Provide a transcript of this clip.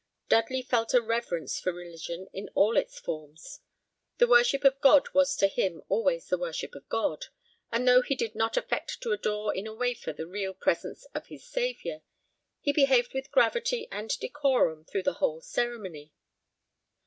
Dudley felt a reverence for religion in all its forms; the worship of God was to him always the worship of God; and though he did not affect to adore in a wafer the real presence of his Saviour, he behaved with gravity and decorum through the whole ceremony.